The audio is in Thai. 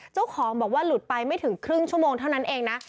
เจ้าของบอกว่าหลุดไปไม่ถึงครึ่งชั่วโมงเท่านั้นเองนะ